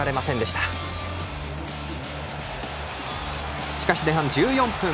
しかし、前半１４分。